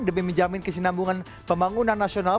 demi menjamin kesinambungan pembangunan nasional